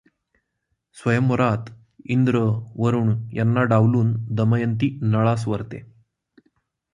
स्वयंवरात इंद्र, वरुण यांना डावलून दमयंती नळास वरते.